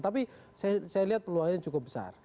tapi saya lihat peluangnya cukup besar